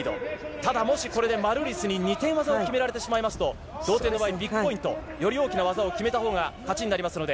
ただ、もしこれでマルーリスに２点技を決められてしまいますと、同点の場合、ビックポイント。より大きな技を決めたほうが勝ちになりますので。